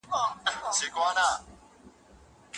پيغمبر د عدالت تر ټولو لوی پلوی و.